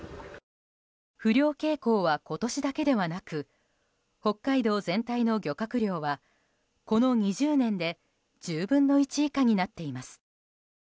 不漁傾向は今年だけではなく北海道全体の漁獲量はこの２０年で１０分の１以下になっています。